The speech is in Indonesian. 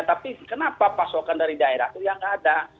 tapi kenapa pasokan dari daerah itu ya nggak ada